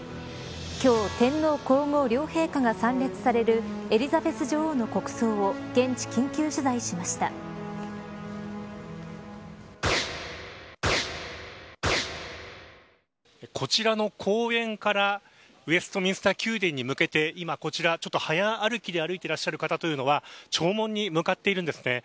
今日天皇皇后両陛下が参列されるエリザベス女王の国葬をこちらの公園からウェストミンスター宮殿に向けて今、こちら、ちょっと速歩きで歩いてらっしゃる方というのは弔問に向かっているんですね。